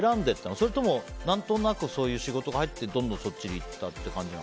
それとも何となくそういう仕事が入ってどんどんそっちにいった感じ？